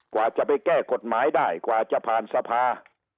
กว่าจะไปแก้กฎหมายได้กว่าจะผ่านสภา